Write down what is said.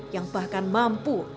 yang bahkan mampu